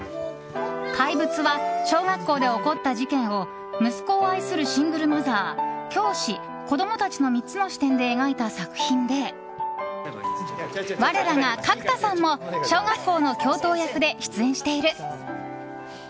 「怪物」は小学校で起こった事件を息子を愛するシングルマザー教師、子供たち３つの視点で描いた作品で我らが角田さんも小学校の教頭役で出演している。